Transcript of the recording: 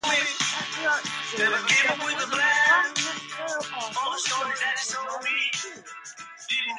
At the art school in Dublin, Clarke met fellow artist and teacher Margaret Crilley.